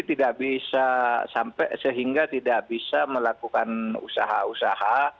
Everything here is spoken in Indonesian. tidak bisa sampai sehingga tidak bisa melakukan usaha usaha